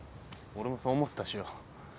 俺もそう思ってたしよ。